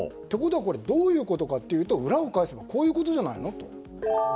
これ、どういうことかというと裏を返せばこういうことじゃないのと。